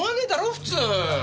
普通。